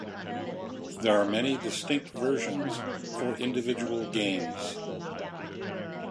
There are many distinct versions for individual games.